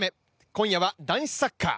今夜は、男子サッカー。